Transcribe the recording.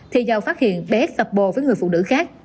thì giào phát hiện bé thập bồ với người phụ nữ khác